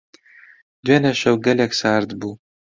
دوێنێ شەو گەلێک سارد بوو.